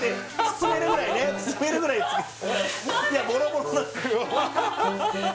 包めるぐらいね